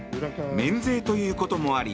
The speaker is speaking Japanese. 免税ということもあり